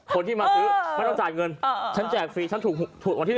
คนที่มาซื้อไม่ต้องจ่ายเงินฉันแจกฟรีฉันถูกวันที่๑